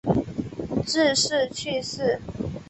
致仕去世。